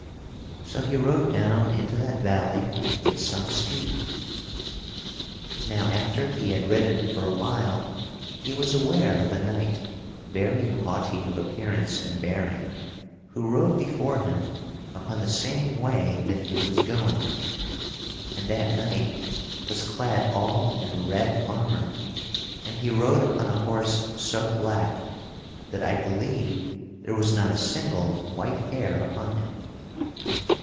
So he rode down into that valley with some speed. [Sidenote: Sir Percival perceives a red knight] Now after he had so ridden for a while, he was aware of a knight, very haughty of appearance and bearing, who rode before him upon the same way that he was going. And that knight was clad all in red armor, and he rode upon a horse so black that I believe there was not a single white hair upon him.